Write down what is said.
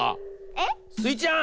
えっ？スイちゃん。